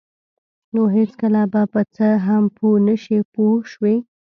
نو هېڅکله به په څه هم پوه نشئ پوه شوې!.